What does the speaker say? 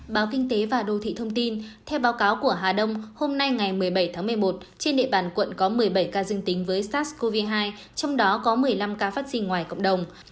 báo kinh tế và đô thị thông tin theo báo cáo của hà đông hôm nay ngày một mươi bảy tháng một mươi một trên địa bàn quận có một mươi bảy ca dương tính với sars cov hai trong đó có một mươi năm ca phát sinh ngoài cộng đồng